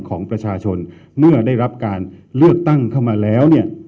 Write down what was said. ของประชาชนเมื่อได้รับการเลือกตั้งเข้ามาแล้วเนี่ย